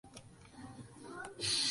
El tao es la ley de todo.